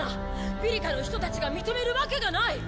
ピリカの人たちが認めるわけがない！